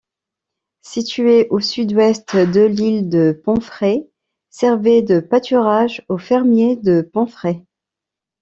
Située au sud-ouest de l'île de Penfret, servait de pâturage aux fermiers de Penfret.